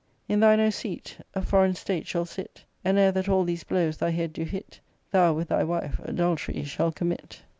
In thine own seat a foreign state shall sit ; And ere that all these blows thy head do hit, Thou, with thy wife, adultery shall commit."